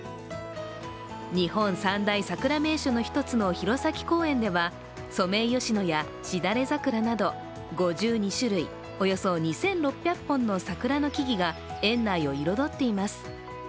日本三大桜名所の一つの弘前公園ではソメイヨシノやシダレザクラなど５２種類およそ２６００本の桜の木々が園内を彩っています。